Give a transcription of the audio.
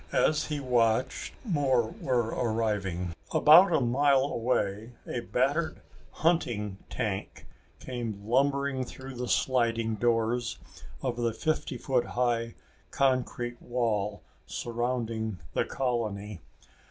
As he watched, more were arriving. About a mile away a battered hunting tank came lumbering through the sliding doors of the fifty foot high concrete wall surrounding the colony.